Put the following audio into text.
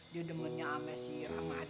dia demennya sama si rahmadi